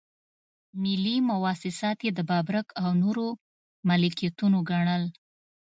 ملي مواسسات یې د ببرک او نورو ملکيتونه ګڼل.